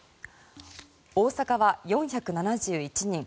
大阪は４７１人。